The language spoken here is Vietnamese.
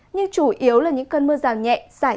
nhưng chủ yếu là những cơn mưa rải rác